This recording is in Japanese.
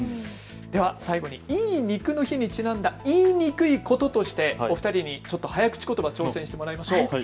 では最後に、いい肉の日にちなんで言いにくいこととしてお二人にちょっと早口ことばに挑戦してもらいましょう。